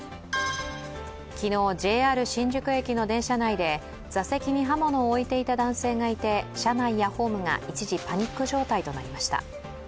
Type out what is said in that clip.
昨日、ＪＲ新宿駅の電車内で座席に刃物を置いていた男性がいて車内やホームが一時パニック状態となりました。